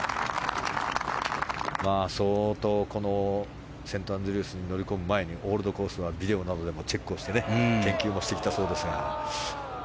相当、セントアンドリュースに乗り込む前にオールドコースはビデオなどでもチェックをして研究もしてきたそうですが。